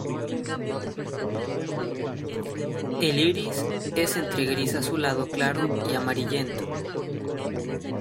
El iris es entre gris azulado claro y amarillento.